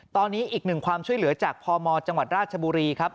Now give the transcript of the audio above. ตอนนี้อีกหนึ่งความช่วยเหลือจากพมจังหวัดราชบุรีครับ